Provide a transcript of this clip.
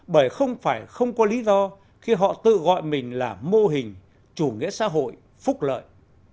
bởi không phải không có lý do khi họ tự gọi mình là mô hình chủ nghĩa xã hội phúc lợi